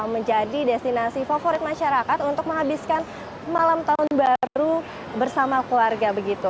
menjadi destinasi favorit masyarakat untuk menghabiskan malam tahun baru bersama keluarga